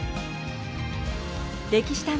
「歴史探偵」